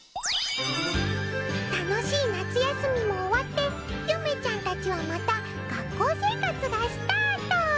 楽しい夏休みも終わってゆめちゃんたちはまた学校生活がスタート。